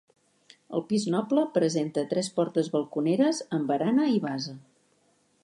El pis noble presenta tres portes balconeres amb barana i base.